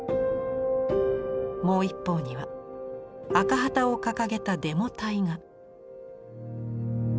もう一方には赤旗を掲げたデモ隊が。